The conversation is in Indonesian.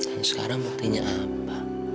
dan sekarang buktinya apa